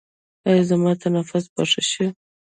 ایا زما تنفس به ښه شي؟